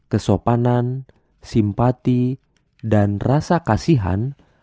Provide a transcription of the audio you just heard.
kesopanan simpati dan rasa kasihan